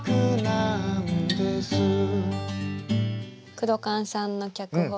クドカンさんの脚本で。